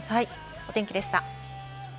お天気でした。